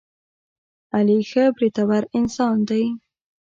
علي ښه برېتور انسان دی.